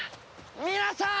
皆さーん！